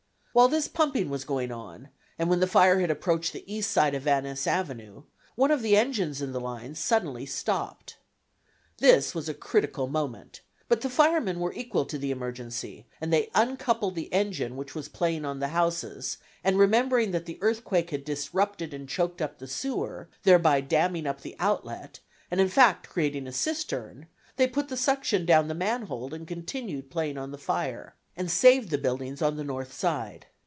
While this pumping was going on, and when the fire had approached the east side of Van Ness Avenue, one of the engines in the line suddenly stopped. This was a critical moment, but the firemen were equal to the emergency, and they uncoupled the engine which was playing on the houses, and remembering that the earthquake had disrupted and choked up the sewer, thereby damming up the outlet, and in fact creating a cistern, they put the suction down the manhole and continued playing on the fire, and saved the buildings on the north side.